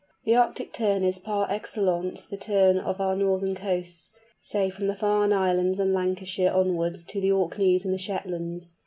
The Arctic Tern is par excellence the Tern of our northern coasts, say from the Farne Islands and Lancashire onwards to the Orkneys and the Shetlands.